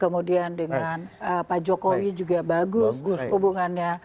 kemudian dengan pak jokowi juga bagus hubungannya